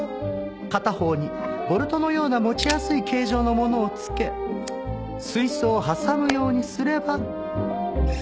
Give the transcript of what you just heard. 片方にボルトのような持ちやすい形状のものを付け水槽を挟むようにすれば。